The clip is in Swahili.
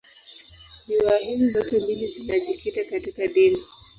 Riwaya hizi zote mbili zinajikita katika dini.